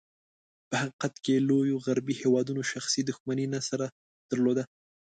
په حقیقت کې، لوېو غربي هېوادونو شخصي دښمني نه سره درلوده.